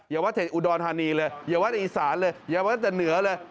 อย่าว่าแต่อุดรธานีเลยอย่าว่าแต่อีสานเลยอย่าว่าแต่เหนือเลย